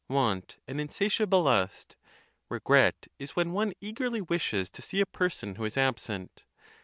Want an insatiable lust. Regret is when one eagerly wishes to see a person who is absent.